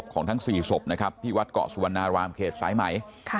ของทั้ง๔สบที่วัดเกาะส่วนนารามเขตสายไหม